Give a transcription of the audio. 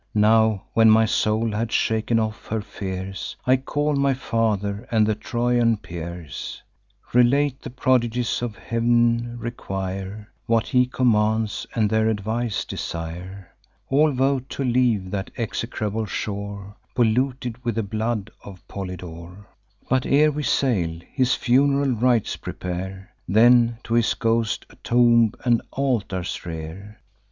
Now, when my soul had shaken off her fears, I call my father and the Trojan peers; Relate the prodigies of Heav'n, require What he commands, and their advice desire. All vote to leave that execrable shore, Polluted with the blood of Polydore; But, ere we sail, his fun'ral rites prepare, Then, to his ghost, a tomb and altars rear.